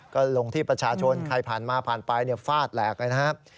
ก็ลงที่ประชาชนใครผ่านมาผ่านไปฟาดแหลกเลยนะครับ